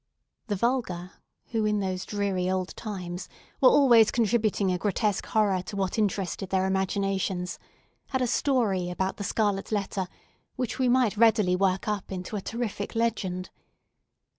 The vulgar, who, in those dreary old times, were always contributing a grotesque horror to what interested their imaginations, had a story about the scarlet letter which we might readily work up into a terrific legend.